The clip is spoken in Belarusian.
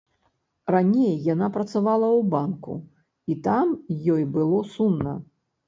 Раней яна працавала ў банку і там ёй было сумна.